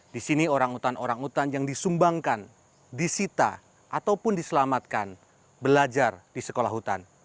di sini orang utan orang utan yang disumbangkan disita ataupun diselamatkan belajar di sekolah hutan